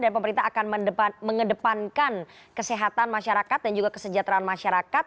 dan pemerintah akan mengedepankan kesehatan masyarakat dan juga kesejahteraan masyarakat